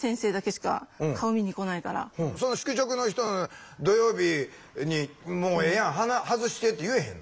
その宿直の人土曜日に「もうええやん外して」って言えへんの？